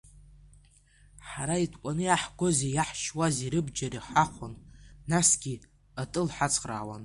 Ҳара иҭҟәаны иаҳгози иаҳшьуази рабџьар ҳахәон, насгьы атыл ҳацхраауан.